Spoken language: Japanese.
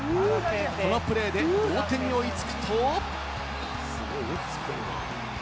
このプレーで同点に追い付くと。